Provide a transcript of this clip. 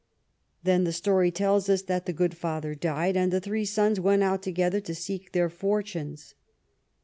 '' Then the story tells us that the good father died, and the three sons went out together to seek their fort unes.